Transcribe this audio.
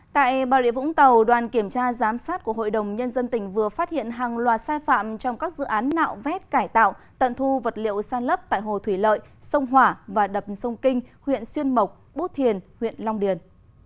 tại bà rịa vũng tàu đoàn kiểm tra giám sát của hội đồng nhân dân tỉnh vừa phát hiện hàng loạt sai phạm trong các dự án nạo vét cải tạo tận thu vật liệu san lấp tại hồ thủy lợi sông hỏa và đập sông kinh huyện xuyên mộc bố thiền huyện long điền